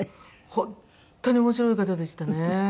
本当に面白い方でしたね。